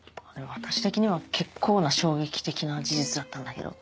私的には結構な衝撃的な事実だったんだけど。